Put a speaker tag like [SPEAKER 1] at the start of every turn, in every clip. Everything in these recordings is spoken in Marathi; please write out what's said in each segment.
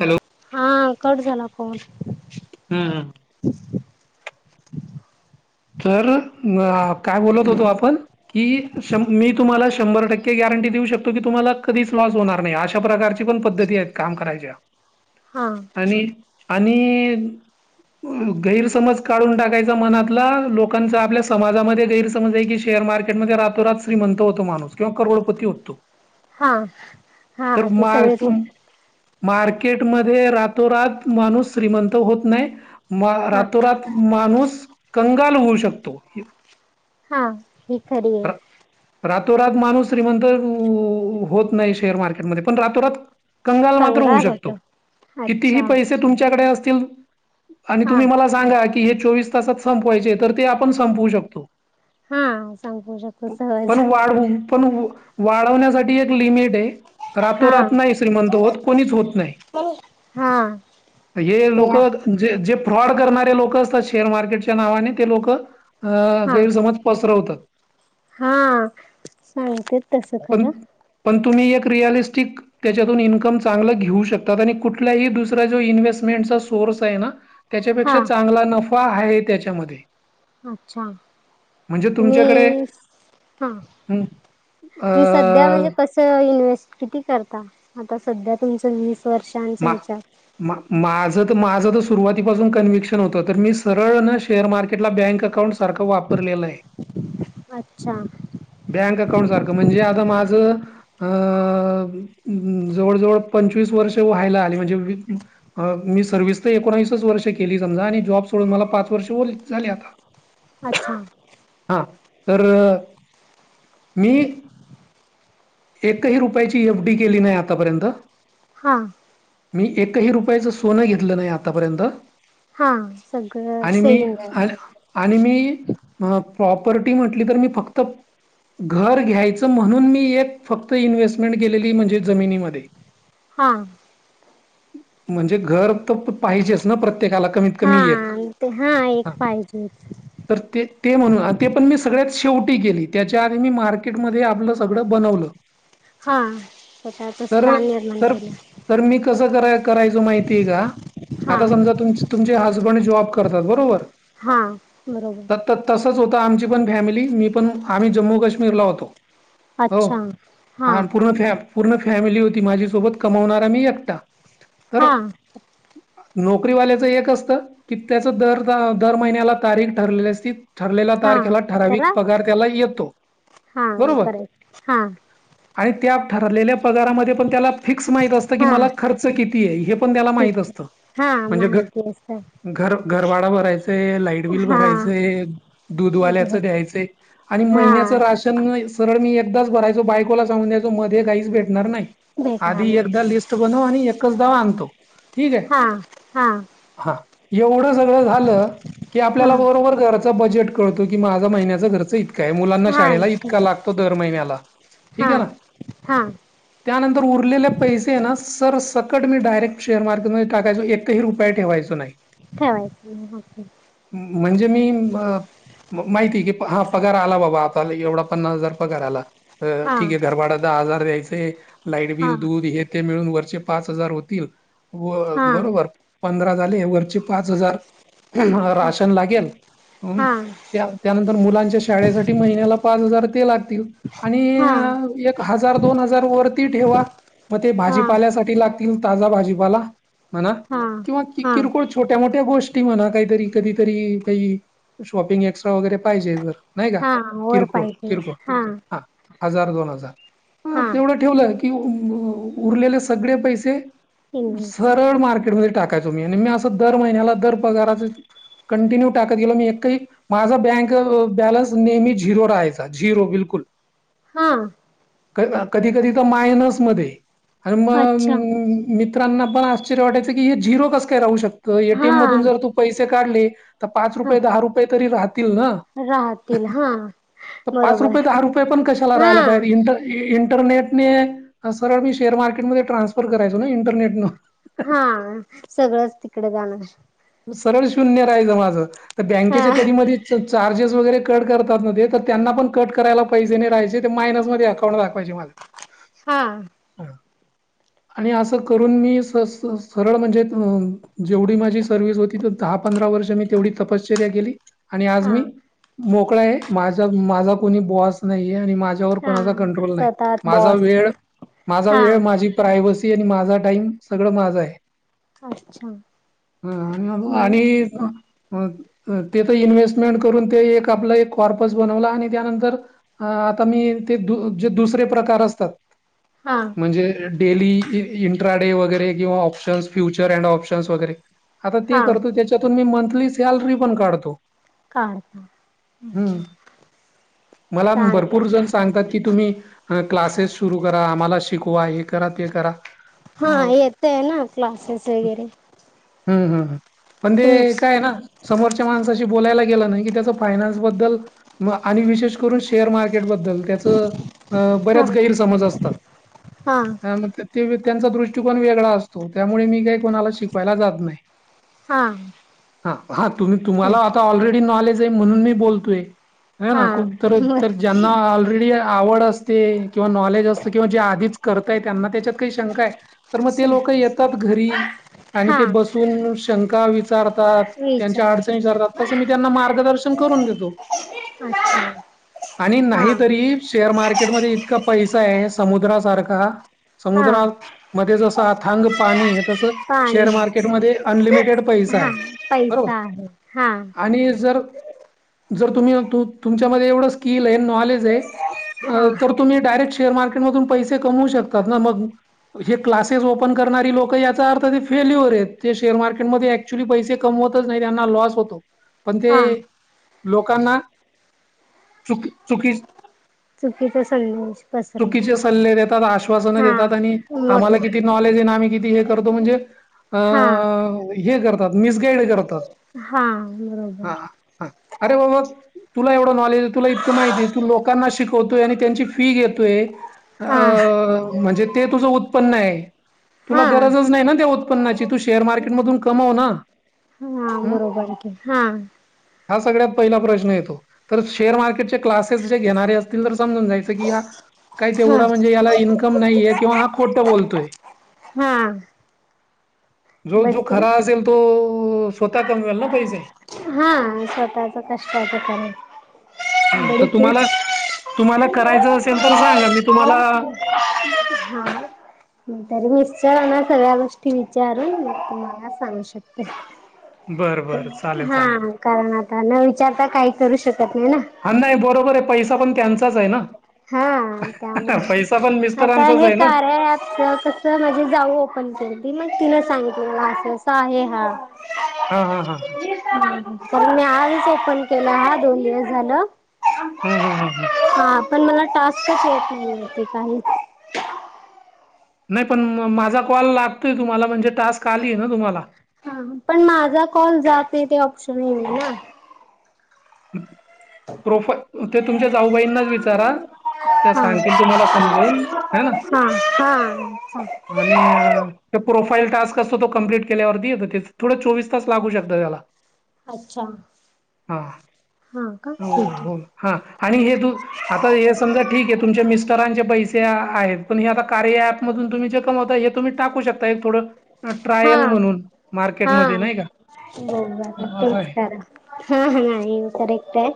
[SPEAKER 1] हॅलो
[SPEAKER 2] हा कट झाला फोन
[SPEAKER 1] हम् हम
[SPEAKER 2] अच्
[SPEAKER 1] तर काय बोलत होतो आपण? की मी तुम्हाला शंभर टक्के गॅरंटी देऊ शकतो की तुम्हाला कधीच लॉस होणार नाही अशा प्रकारची पण पद्धती आहेत काम कराच्या
[SPEAKER 2] हा
[SPEAKER 1] आणि आणि गैरसमज काढून टाकायचा मनातला लोकांचा आपल्या समाजामध्ये गैरसमज आहे की शेअर मार्केटमध्ये रातोरात श्रीमंत होतो माणूस किंवा करोडोपती होतो
[SPEAKER 2] हा,
[SPEAKER 1] तर
[SPEAKER 2] हा ते
[SPEAKER 1] मार
[SPEAKER 2] सगळेच
[SPEAKER 1] मार्केटमध्ये रातोरात माणूस श्रीमंत होत नाही मा
[SPEAKER 2] हा
[SPEAKER 1] रातोरात माणुस काल होऊ शकतो
[SPEAKER 2] हा ही खरी आहे
[SPEAKER 1] रातोरात माणूस श्रीमंत होत नाही शेअर मार्केटमध्ये पण रातोरात कंगाल मात्र होऊ शकतो कितीही
[SPEAKER 2] अच्छा
[SPEAKER 1] पैसे तुमच्याकडे असतील आणि
[SPEAKER 2] हा
[SPEAKER 1] तुम्ही मला सांगा, की हे चोवीस तासात संपवायचे तर ते आपण संपवू शकतो
[SPEAKER 2] हा सांगू शकतो
[SPEAKER 1] पण
[SPEAKER 2] सहज
[SPEAKER 1] वाढवू पण वाढवण्यासाठी एक लिमिट आहे
[SPEAKER 2] हा
[SPEAKER 1] रातोरात नाही श्रीमंत होत कोणीच होत नाही
[SPEAKER 2] हा
[SPEAKER 1] हे
[SPEAKER 2] ते
[SPEAKER 1] लोकं जे फ्रॉड करणारे लोक असतात, शेअर मार्केटच्या नावाने ते लोकं अ
[SPEAKER 2] हा
[SPEAKER 1] गैरसमज पसरवतात
[SPEAKER 2] हा सांगतेत तसं
[SPEAKER 1] पण
[SPEAKER 2] खरं
[SPEAKER 1] पण तुम्ही एक रिअलिस्टिक त्यांच्यातून इन्कम चांगलं घेऊ शकतात, आणि कुठलाही दुसरा जो इन्व्हेस्टमेंटचा सोर्स आहे ना
[SPEAKER 2] हा
[SPEAKER 1] त्यांच्यापेक्षा चांगला नफा हाय त्यांच्यामध्ये.
[SPEAKER 2] अच्छा तुम्ही हा की संध्या म्हणजे
[SPEAKER 1] अ
[SPEAKER 2] कसं च इन्व्हेस्ट किती करता आता संध्या तुमचं वीस वर्षांच
[SPEAKER 1] मा
[SPEAKER 2] हेच्यात.
[SPEAKER 1] माझं तर माझं तर सुरुवातीपासून कन्विक्शन होतं तर मी सरळ न शेअर मार्केटला बँक अकाउंट्स सारखं वापरलेलं हाय.
[SPEAKER 2] अच्छा
[SPEAKER 1] बँक अकाउंट सारखं म्हणजे आता माझं अ जवळ जवळ पंचवीस वर्ष व्हायला आली म्हणजे वी मी सर्व्हिस तर एकोणवीसच वर्ष केली समजा आणि जॉब सोडून मला पाच वर्ष उर झाली आता. [unintelligible]
[SPEAKER 2] अच्छा.
[SPEAKER 1] हा तर मी एकही रुपयाची एफ डी केली नाही आतापर्यंत.
[SPEAKER 2] हा.
[SPEAKER 1] मी एकही रुपयाचं सोनं घेतलं नाही आतापर्यंत
[SPEAKER 2] हा सगळं
[SPEAKER 1] आणि मी
[SPEAKER 2] सेम
[SPEAKER 1] आणि आणि मी अ प्रॉपर्टी म्हटली तर मी फक्त घर घ्यायचं म्हणून मी एक फक्त इन्व्हेस्टमेंट केलेली म्हणजे जमिनीमध्ये.
[SPEAKER 2] हा.
[SPEAKER 1] म्हणजे घर तर पाहिजेच ना प्रत्येक एकाला कमी
[SPEAKER 2] हा
[SPEAKER 1] एक
[SPEAKER 2] ते हा एक पाहिजेच.
[SPEAKER 1] तर ते ते म्हणून ते पण मी सगळ्यात शेवटी केली त्याच्या आधी मी मार्केटमधे आपलं सगळं बनवलं.
[SPEAKER 2] हां तर त्यातच
[SPEAKER 1] तर
[SPEAKER 2] स्थान निर्माण
[SPEAKER 1] तर
[SPEAKER 2] केल.
[SPEAKER 1] तर मी कसं करा करायचं करायचो माहिती आहे का
[SPEAKER 2] हा
[SPEAKER 1] आता समजा तुमची तुमचे हजबंड जॉब करतात बरोबर.
[SPEAKER 2] हा बरोबर.
[SPEAKER 1] त त तसच होतं आमची पण फॅमिली मी पण आम्ही जम्मू काश्मीरला होतो.
[SPEAKER 2] अच्छा
[SPEAKER 1] हा पूर्ण फॅ पूर्ण फॅमिली होती माझ्या सोबत कमवणारा मी एकटा कर
[SPEAKER 2] हा
[SPEAKER 1] नोकरीवाल्याचं एक असतं की त्याचं दर दा महिन्याला तारीख ठरलेली असती. ठरलेला
[SPEAKER 2] हा
[SPEAKER 1] तार केला
[SPEAKER 2] त्याला
[SPEAKER 1] ठराविक पगार त्याला येतो
[SPEAKER 2] हा
[SPEAKER 1] बरोबर
[SPEAKER 2] करेक्ट हा
[SPEAKER 1] आणि त्या ठरलेल्या पगारामध्ये ण त्याला फिक्स माहित असत की
[SPEAKER 2] हा
[SPEAKER 1] मला खर्च किती आहे हे पण त्याला
[SPEAKER 2] ठीक
[SPEAKER 1] माहित
[SPEAKER 2] आहे
[SPEAKER 1] असतं.
[SPEAKER 2] हा
[SPEAKER 1] म्हणजे घ
[SPEAKER 2] माहिती अस
[SPEAKER 1] घर घरभाडा भरायचंय, लाईट बिल
[SPEAKER 2] हा
[SPEAKER 1] भरायचंय,
[SPEAKER 2] बर
[SPEAKER 1] दूधवाल्याचं द्यायचय. आणि
[SPEAKER 2] हा
[SPEAKER 1] महिन्याचं राशन सरळ मी एकदाच भरायचो बायकोला सांगून द्यायचो मध्ये काहीच भेटणार नाही. तर
[SPEAKER 2] भेटणार
[SPEAKER 1] आधी
[SPEAKER 2] नाही
[SPEAKER 1] एकदा लिस्ट बनव आणि एकचदा आणतो ठीक हाय.
[SPEAKER 2] हा हा
[SPEAKER 1] हा एवढं सगळं झालं की
[SPEAKER 2] हा
[SPEAKER 1] आपल्याला बरोबर घरचा बजेट कळतो की माझा महिन्याचा खर्च इतका हाय. मुलांना
[SPEAKER 2] हा
[SPEAKER 1] शाळेला
[SPEAKER 2] इथे
[SPEAKER 1] इतका लागतो दर महिन्याला.
[SPEAKER 2] हा
[SPEAKER 1] ठीक आहे ना.
[SPEAKER 2] हा
[SPEAKER 1] त्यानंतर उरलेले पैसे ना सर सकट मी डायरेक्ट शेअर मार्केटमध्ये टाकायचो एकही रुपया ठेवायचो नाही.
[SPEAKER 2] ठेवायच नाही
[SPEAKER 1] म्हणजे मी अ माहिती की हा पगार आला बाबा आता एवढा पन्नास हजार पगार आला. अ
[SPEAKER 2] हा
[SPEAKER 1] ठीक हे घर भाडा दहा हजार द्यायचे, लाईट
[SPEAKER 2] हा
[SPEAKER 1] बिल, दूध हे ते मिळून वरचे पाच हजार होतील व
[SPEAKER 2] हा हा
[SPEAKER 1] बरोबर. पंधरा झाले, वरचे पाच हजार राशनला गेल.
[SPEAKER 2] हा
[SPEAKER 1] त्या त्यानंतर मुलांच्या शाळेसाठी महिन्याला पाच हजार ते लागतील आणि
[SPEAKER 2] हा
[SPEAKER 1] हजार, दोन हजार वर ती ठेवा मग ते
[SPEAKER 2] हा
[SPEAKER 1] भाजीपाल्यासाठी लाग [unintelligible] ताजा भाजीपाला म्हणा.
[SPEAKER 2] हा
[SPEAKER 1] किंवा
[SPEAKER 2] हा
[SPEAKER 1] किरकोळ छोट्या मोठ्या गोष्टी म्हणा काही तरी कधी तरी काही शॉपिंग एक्स्ट्रा वगैरे पाहिजे, जर नाही का
[SPEAKER 2] हा वर
[SPEAKER 1] किरकोळ
[SPEAKER 2] पाहिजे
[SPEAKER 1] किरकोळ. हा हजार दोन हजार
[SPEAKER 2] हा
[SPEAKER 1] तेवढं ठेवलंय की उरलेले सगळे पैसे स
[SPEAKER 2] इन्व्हेस्ट
[SPEAKER 1] सरळ मार्केट मध्ये टाका तुम्ही मी आणि मी असं दर महिन्याला दर पगाराच कंटिन्यू टाकत गेलो, मी एकही माझा बँक बॅलन्स नेहमी झिरो राहायचा झिरो बिलकुल.
[SPEAKER 2] हा.
[SPEAKER 1] कधी कधी तर मायनस मध्ये आणि मग
[SPEAKER 2] अच्छा
[SPEAKER 1] मित्रांना पण आश्चर्य वाटयचं, की हे झिरो कसं काय राहू शकत
[SPEAKER 2] हा
[SPEAKER 1] एटीएमधून जर तू पैसे काढले पाच
[SPEAKER 2] हा
[SPEAKER 1] रुपये, दहा रुपये तरी राह राहतील ना
[SPEAKER 2] राहतील हा
[SPEAKER 1] पाच
[SPEAKER 2] बरोबर
[SPEAKER 1] रुपये, दहा रुपये पण कशाला
[SPEAKER 2] हा
[SPEAKER 1] राहायला पाहिजे तर इंटरनेटनेे सरळ मी शेअर मार्केटमध्ये ट्रान्सफर करायचो ना इंटरनेट न.
[SPEAKER 2] हा सगळंच तिकडे जाणार.
[SPEAKER 1] सरळ शून्य राहायचं माझं तर
[SPEAKER 2] हा
[SPEAKER 1] बँकेच्या कधी मधी चार्जेस वगैरे कट करतात, न ते तर त्यांना पण कट करायला पैसे नाही राहायचे, ते मायनस मध्ये अकाउंट दाखवायचे माझं. ह
[SPEAKER 2] हा.
[SPEAKER 1] [unintelligible] आणि असं करून मी स- सरळ म्हणजे जेवढी माझी सर्व्हिस होती, तर दहा पंधरा वर्ष मी तेवढी तपश्चर्या केली, आणि आज
[SPEAKER 2] हा
[SPEAKER 1] मी मोकळा आहे, म- माझा कोणी बॉस नाहीये, आणि माझ्यावर
[SPEAKER 2] हा
[SPEAKER 1] कोणाचा कंट्रोल नाही,
[SPEAKER 2] सतत
[SPEAKER 1] माझा
[SPEAKER 2] बॉस हा
[SPEAKER 1] वेळ माझी प्रायवसी आणि माझा टाइम सगळं माझ आहे.
[SPEAKER 2] अच्छा!
[SPEAKER 1] हा
[SPEAKER 2] मग
[SPEAKER 1] आणि हा अ अ तिथे इन्व्हेस्टमेंट करून ते एक आपलं एक कॉर्पस बनवला आणि त्यानंतर अ-आता मी ते दु-जे दुसरे प्रकार असतात.
[SPEAKER 2] हा.
[SPEAKER 1] म्हणजे, डेली इंट्राडे वगैरे किंवा ऑप्शन्स फ्युचर अँड ऑप्शन्स वगैरे. आता ते
[SPEAKER 2] हा
[SPEAKER 1] करतो, त्याच्यातून मी मंथली सॅलरी पण काढतो.
[SPEAKER 2] हा.
[SPEAKER 1] हम, मला न
[SPEAKER 2] चांगला
[SPEAKER 1] भरपूर जन् सांगतात की, तुम्ही क्लासेस सुरु करा आम्हाला शिकवा हे करा ते करा.
[SPEAKER 2] हा,
[SPEAKER 1] अ
[SPEAKER 2] येतय ना क्लासेस वगैरे.
[SPEAKER 1] हम हम पण
[SPEAKER 2] तुम
[SPEAKER 1] ते कायं ना समोरच्या समोरच्या माणसाशी बोलायला गेलं ना, की त्याचा फायनान्स बद्दल मग आणि विशेष करून शेअर मार्केटबद्दल त्याचं अ
[SPEAKER 2] हा
[SPEAKER 1] बऱ्याच गैरसमज असतात. हा म ते ते त्यांचा दृष्टिकोन वेगळा असतो, त्यामुळे मी काही कोणाला शिकवायला जात नाही.
[SPEAKER 2] हा
[SPEAKER 1] हा हा तुम्ही- तुम्हाला आता ऑलरेडी नॉलेज आहे, म्हणून मी बोलतोय. हाय
[SPEAKER 2] हा
[SPEAKER 1] ना, खुप तर
[SPEAKER 2] बर
[SPEAKER 1] -उतर ज्यांना ऑलरेडी आवड असते, किंवा नॉलेज असत, किंवा जे आधीच करताय त्यांना त्याच्यात काही शंका आहे. तर मग ते लोक येतात घरी, आणि
[SPEAKER 2] हा
[SPEAKER 1] ते बसून शंका विचारतात, त्यांच्या अडचणी
[SPEAKER 2] विचारते
[SPEAKER 1] विचारतात, तसं मी त्यांना मार्गदर्शन करून घेतो.
[SPEAKER 2] अच्छा! [unintelligible]
[SPEAKER 1] आणि
[SPEAKER 2] हा
[SPEAKER 1] नाहीतरी, शेअर मार्केटमध्ये इतका पैसा आहे समुद्रासारखा,,
[SPEAKER 2] हा
[SPEAKER 1] समुद्रामध्ये जसा अथांग पाणी आहे तसं.
[SPEAKER 2] पाणी
[SPEAKER 1] शेअर मार्केटमध्ये अनलिमिटेड पैसा
[SPEAKER 2] हा
[SPEAKER 1] आह. बरोबर,,
[SPEAKER 2] पैसा आहे हा
[SPEAKER 1] आणि जर जर तुम्ही, तुमच्यामध्ये एवढं स्किल आह, नॉलेज आह,,
[SPEAKER 2] हा
[SPEAKER 1] तर तुम्ही डायरेक्ट शेअर मार्केटमधून पैसे कमवू शकतात ना, मग हे क्लासेस ओपन करणारी लोक याचा अर्थ ते फेल्युअर आहेत. ते शेअर मार्केटमध्ये ऍक्च्युली पैसे कमवतच नाही त्यांना लॉस होतो,, पण
[SPEAKER 2] हा
[SPEAKER 1] तेऽ लोकांना,, चुकी, चुकीची
[SPEAKER 2] चुकीचा संदेश
[SPEAKER 1] चुकीचे
[SPEAKER 2] पसरवत
[SPEAKER 1] सल्ले देतात आश आश्वासन
[SPEAKER 2] हा
[SPEAKER 1] देतात आणि,,
[SPEAKER 2] मोठ
[SPEAKER 1] आम्हाला किती नॉलेज आहे आनी आम्ही किती हे करतो म्हणजे अ,
[SPEAKER 2] हा
[SPEAKER 1] हे करतात, मिसगाईड करतात, फक्त
[SPEAKER 2] हा बरोबर.
[SPEAKER 1] ह, अरे म मग तुला एवढं नॉलेज य, तुला इतकं माहिती आह, तू लोकांना शिकवतोय, आणि त्यांची फी घेतोयऽ अ,
[SPEAKER 2] हा
[SPEAKER 1] म्हणजे ते तुझ उत्पन्न आहे, तुला
[SPEAKER 2] हा
[SPEAKER 1] गरजच नाही ना तेऽ न्नाची, तू शेअर मार्केट मधून कमाव ना,,
[SPEAKER 2] हा
[SPEAKER 1] अम
[SPEAKER 2] बरोबर हा,
[SPEAKER 1] हा सगळ्यात पहिला प्रश्न येतो. तर शेअर मार्केटचे क्लासेस जे घेणारे असतील तर समजून जायचं की हा काही
[SPEAKER 2] हा
[SPEAKER 1] तेवढा म्हणजे याला इन्कम नाहीये,, किंवा हा खोटं बोलतोय.
[SPEAKER 2] हा,
[SPEAKER 1] जो
[SPEAKER 2] बडी
[SPEAKER 1] जो
[SPEAKER 2] तू
[SPEAKER 1] खरा असेल तो स्वतः कमवेल ना पैसे
[SPEAKER 2] हा स्वतःच कष्ट आहे ठिकाणी
[SPEAKER 1] ह तर तुम्हाला तुम्हाला करायचं असेल तर सांगा मी तुम्हाला म्
[SPEAKER 2] हा तरी निशचार सगळ्या गोष्टी विचारून मी तुम्हाला सांगू शकतो ते
[SPEAKER 1] बरं बर चालेल चालेल
[SPEAKER 2] हा कारण आता न विचारता काही करू शकत नाही ना
[SPEAKER 1] हा नाही बरोबर आहे पैसा पण त्यांचाच आहे ना
[SPEAKER 2] हा त्यामुळे
[SPEAKER 1] पैसा पण
[SPEAKER 2] आता
[SPEAKER 1] मिस्टरांचाच
[SPEAKER 2] हे का
[SPEAKER 1] ना
[SPEAKER 2] आहे आ तर माझे जाऊ ओपन के मग तिला सांगित मला असं असं आहे हा
[SPEAKER 1] हा हा हा हां
[SPEAKER 2] तर मी आजच ओपन केला ह दोन दिवस झालं
[SPEAKER 1] हम हम हम हं
[SPEAKER 2] हा, पण मला टास्कच येत नाही य काहीऽ
[SPEAKER 1] नाही पण माझा कॉल लागतोय तुम्हाला म्हणजे टास्क आलीय ना तुम्हाला.
[SPEAKER 2] हा, पण माझा कॉल जातय ते ऑप्शन येना नाही ना.
[SPEAKER 1] प्रोफा, ते तुमच्या जाऊबाईंनाच विचारा,, त्या सांगतील
[SPEAKER 2] हा
[SPEAKER 1] तुम्हाला समजावून,, ह ना.
[SPEAKER 2] हा हा
[SPEAKER 1] आणि प्रोफाईल टास्क असतो तो कमप्लीट केल्यावरती य थोडं चोवीस तास लागू शकत त्याला
[SPEAKER 2] अच्छा हा का
[SPEAKER 1] हो
[SPEAKER 2] ठीक आहे
[SPEAKER 1] हो हा आणि हे तू आता हे समजा ठीक आहे तुमच्या मिस्टरांचे पैसे आहेत पण हे आता कार्य मध तुम् जे कमवता हे तुम्हीाकू शकता एकथोडं ह
[SPEAKER 2] हा
[SPEAKER 1] ट्रायल म्हणून मार्केट मध्ये
[SPEAKER 2] हा
[SPEAKER 1] नाही का असं आहे
[SPEAKER 2] हम हा येव कररीते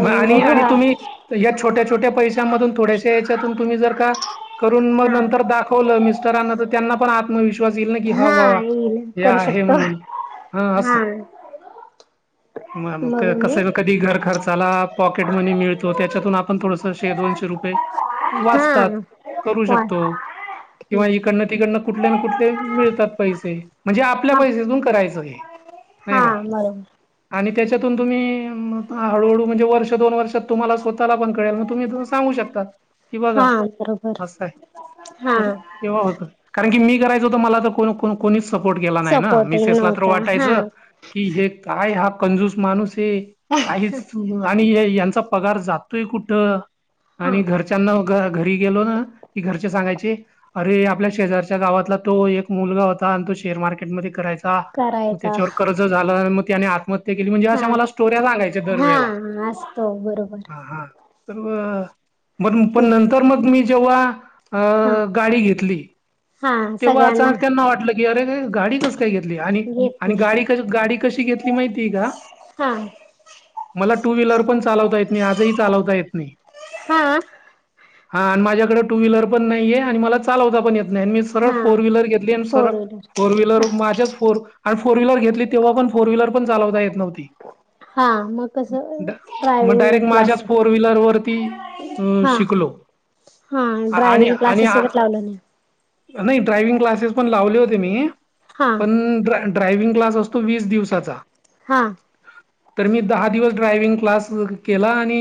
[SPEAKER 1] मग आणि आणि तुम्ही या छोट्या छोट्या पैशांमधून थोड्याश या्याच्यातून तुम्ही जर का करून मग
[SPEAKER 2] हा
[SPEAKER 1] नंतर दाखवलं मी त्यांना पण आत्मविश्वास येईल ना की ह
[SPEAKER 2] हा
[SPEAKER 1] वा हे आहे म्हणून.
[SPEAKER 2] हम्म.
[SPEAKER 1] म कस कधी घर खर्चाला पॉकट मनी मिळतो त्याच्यातून पण थोडस शे दोनशे रुपये
[SPEAKER 2] हा
[SPEAKER 1] वाचतात करू
[SPEAKER 2] वा
[SPEAKER 1] शकतो. किवा
[SPEAKER 2] ठीक
[SPEAKER 1] इकडं ड कुठले ना कुठले मिळतात पैसे म्हणजे आपल्या
[SPEAKER 2] हा
[SPEAKER 1] पैसेेतून करायचं हे.
[SPEAKER 2] हा
[SPEAKER 1] नाही का
[SPEAKER 2] बरो
[SPEAKER 1] आणि त्याच्यातून तुम्ही हळूहळू म्हणजे वर्ष दोन वर्षात तुम्हाला स्वतःला पण कळेल तुम्ही सगू शकतात. कि
[SPEAKER 2] हा
[SPEAKER 1] बघा
[SPEAKER 2] बरोबर
[SPEAKER 1] असं आहे
[SPEAKER 2] हा
[SPEAKER 1] तर तेव्हा होत कारण की मी करायचं होत मला तर कोण कोणीच सपोर्ट केला नाही ना
[SPEAKER 2] सपोर्ट हे
[SPEAKER 1] मिसेसला तर
[SPEAKER 2] नव्हता हा
[SPEAKER 1] वाटायचं कि हे काय हा कंजूस माणूस आहे काहीच आणि यांचा पगार जातोय कुठ
[SPEAKER 2] हा
[SPEAKER 1] आणि घर अच्याना घरी गेलो ना की घरचे सांगायचे अरे आपल्या शेजारच्या गावातला तो एक मुलगा होता आणि तो शेअर मार्केटमध्ये करायचा. ग
[SPEAKER 2] करायचा
[SPEAKER 1] त्याच्यावर कर्ज झाला मग त्याने आत्महत्या केली म्हणजे अस
[SPEAKER 2] हा
[SPEAKER 1] मला स्टोऱ्या सांगायच्या
[SPEAKER 2] हा
[SPEAKER 1] दरवेळेला.
[SPEAKER 2] असतो बरोबर.
[SPEAKER 1] हा तर म पण नंतर मग मी जेव्हा अ
[SPEAKER 2] हा
[SPEAKER 1] गाडी घेतली.
[SPEAKER 2] हा
[SPEAKER 1] तेव्हा
[SPEAKER 2] सगळ्यांना
[SPEAKER 1] अचानक त्यांना वाटलं की अरे गाडी कस काय घेतली आणि
[SPEAKER 2] घेत
[SPEAKER 1] आणि
[SPEAKER 2] नाही
[SPEAKER 1] गाडी गाडी कशी घेतली माहिती का?
[SPEAKER 2] हा.
[SPEAKER 1] मला टू व्हीलर पण चालवता येत नाही आजही चालवता येत नाही.
[SPEAKER 2] हम्म.
[SPEAKER 1] हा आणि माझ्याकडे टू व्हीलर पण नाहीये आणि मला चालवता पण येत नाही मी सरळ
[SPEAKER 2] हा
[SPEAKER 1] फोर व्हीलर घेतली आणि सर फोर व्हीलर माझ्याच फोर आणि फोर व्हीलर घेतली तेव्हा पण फोर व्हीलर पण चालता य नव्हती.
[SPEAKER 2] हा मग. कस
[SPEAKER 1] मग
[SPEAKER 2] ड्रायविंग
[SPEAKER 1] डायरेक्ट माझ्याच
[SPEAKER 2] क्लासेस
[SPEAKER 1] फोर व्हीलर वरती अ
[SPEAKER 2] हा.
[SPEAKER 1] शिकलो
[SPEAKER 2] हा
[SPEAKER 1] आणि
[SPEAKER 2] ड्रायव्हिंग
[SPEAKER 1] आणि
[SPEAKER 2] क्लासेस वगैर लावल नाही.
[SPEAKER 1] नाही ड्रायविंग क्लासेस पण लावले होते मी
[SPEAKER 2] हा
[SPEAKER 1] पण. ड्रायव्हिंग क्लास असतो वीस दिवसांचा.
[SPEAKER 2] हा.
[SPEAKER 1] तर मी दहा दिवस ड्रायविंग क्लास केला आणि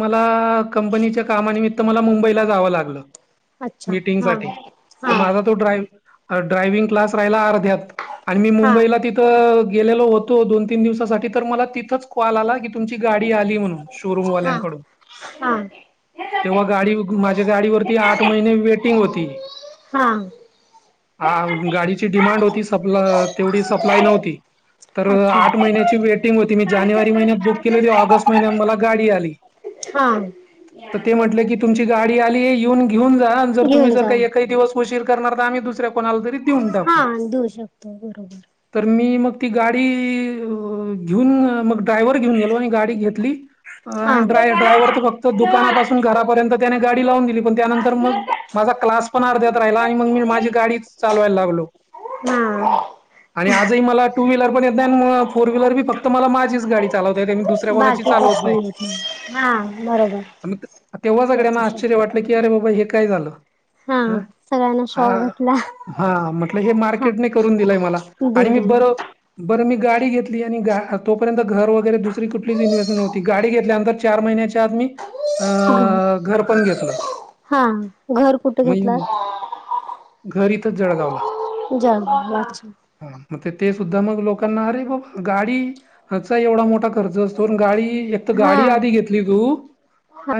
[SPEAKER 1] मला कंपनीच्या कामानिमित्त मला मुंबईला जावं लागलं.
[SPEAKER 2] अच्छा
[SPEAKER 1] मीटिंग
[SPEAKER 2] हा
[SPEAKER 1] सा तर
[SPEAKER 2] हा
[SPEAKER 1] माझा तो ड्राईव्ह ड्रायव्हिंग क्लास राहिला अर्ध्यात आणि मी
[SPEAKER 2] हा हा
[SPEAKER 1] मुंबईला गेलेलो होतो दोन तीन दिवसासाठी तर मला तिथंच कॉल आला तुमची गाडी आली म्हणून
[SPEAKER 2] हा
[SPEAKER 1] शोरूमवाल्यांकडून. तेव्हा गाडी माझ्या गाडीवररती आठ महिने वेटिंग होती.
[SPEAKER 2] हा.
[SPEAKER 1] हा गाडीची डिमांड होती सप् तेवढी सप्लाय नव्हती. तर
[SPEAKER 2] अच्छा
[SPEAKER 1] आठ महिन्याची वेट हो मी
[SPEAKER 2] हा
[SPEAKER 1] जानेवारी महिन्यात बुक केली होती ऑगस्ट महिन्यात मला गाडी आली.
[SPEAKER 2] हा.
[SPEAKER 1] तर ते म्हटलं की तुमची गाडी आली आहे येऊन घेऊन जा जर तुम्ही
[SPEAKER 2] घेऊन
[SPEAKER 1] जर
[SPEAKER 2] जा
[SPEAKER 1] का एकही दिवस उशीर करणार तर आम्ही दुसऱ्या कोणाला तरी देऊन
[SPEAKER 2] हा
[SPEAKER 1] टाकू.
[SPEAKER 2] देऊ शकतो बरोबर
[SPEAKER 1] तर मी मग ती गाडी घेऊन मग ड्रायव्हर घेऊन गेलो आणि गाडी घेतली. अ
[SPEAKER 2] हा.
[SPEAKER 1] ड्राय ड्राय्हर तर फक्त
[SPEAKER 2] हा
[SPEAKER 1] दुकानापासून घरापर्यंत त्याने गाडी लावून दिली पण त्यानंतर मग माझा क्लास पण अर्ध्यात राहिला आणि मंग मी माझी गाडीच चालवायला लागलो.
[SPEAKER 2] नाय
[SPEAKER 1] आणि आजही मला टू व्हीलर पण येत नाय आणि म फोर व्हीलर बी फक्त मला माझीच गाडी चालावता येते मी दुसऱ्या कोणाची
[SPEAKER 2] बाकी
[SPEAKER 1] चालवत नाय.
[SPEAKER 2] गोष्टी येत नाही. हा बरोबर
[SPEAKER 1] आणि मग त तेव्हा सगळ्यांना आश्चर्य
[SPEAKER 2] त्याच्यासाठी
[SPEAKER 1] वाटलं की अरे बाबा हे काय झालं.
[SPEAKER 2] हा
[SPEAKER 1] हं
[SPEAKER 2] सगळ्यांना शॉक
[SPEAKER 1] हा
[SPEAKER 2] बसला.
[SPEAKER 1] हा म्हटलं हे मार्केटने करून दिलंय मला आणि मी
[SPEAKER 2] दिले
[SPEAKER 1] बर बरं मी गाडी घेतली आणि गा आता तोपर्यंत घर वगैरे दुसरी कुठलीच इन्वेस्टमेंट नव्हती गाडी घेतल्यानंतर चार महिन्याच्या आत मी आ घर पण घेतलं.
[SPEAKER 2] हा घर कुठ
[SPEAKER 1] मग
[SPEAKER 2] घेतलात?
[SPEAKER 1] घर इथंच
[SPEAKER 2] [unintelligible]
[SPEAKER 1] हा मग ते ते सुद्धा मग लोकांना अरे बाप! ह्याचा गाडीचा एवढा मोठा खर्च असतोण गाडी एक तर
[SPEAKER 2] हा
[SPEAKER 1] गाडी आधी घेतली तू